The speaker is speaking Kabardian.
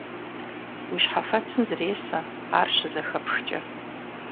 Уи щхьэфэцым зресэ, ар щызэхэпхкӀэ.